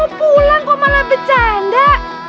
oh pulang kok malah bercanda